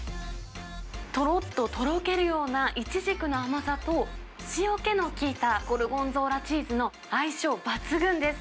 とろっととろけるようなイチジクの甘さと、塩気の効いたゴルゴンゾーラチーズの相性抜群です。